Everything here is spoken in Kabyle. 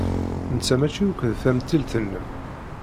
Netta maci akk d tamtilt-nnem.